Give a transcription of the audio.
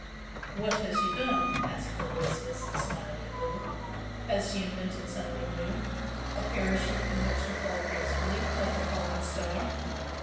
"What has she done?" asked Aloysius, smiling a little "Has she invented something new? a parachute in which to fall gracefully like a falling star?"